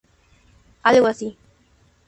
Algo así...".